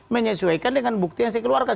menyesuaikan dengan bukti yang saya keluarkan